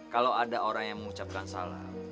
kalau ada orang yang mengucapkan salah